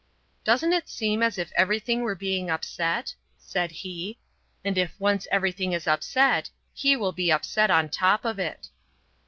"Doesn't it seem as if everything were being upset?" said he; "and if once everything is upset, He will be upset on top of it."